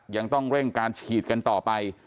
ยังต้องเร่งการฉีดกันต่อไป